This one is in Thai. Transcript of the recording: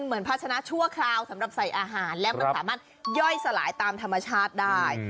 ภาชนะชั่วคราวสำหรับใส่อาหารและมันสามารถย่อยสลายตามธรรมชาติได้